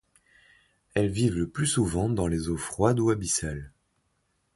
Elles vivent le plus souvent dans les eaux froides ou abyssales.